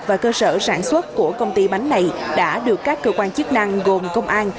và cơ sở sản xuất của công ty bánh này đã được các cơ quan chức năng gồm công an